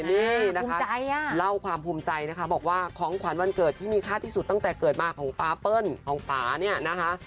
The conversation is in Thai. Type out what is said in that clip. นี่นะคะเล่าความภูมิใจนะคะบอกว่าของขวัญวันเกิดที่มีค่าที่สุดตั้งแต่เกิดมาของป๊าเปิ้ลของป่าเนี่ยนะคะ